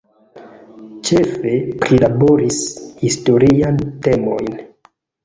Ĉefe prilaboris historiajn temojn.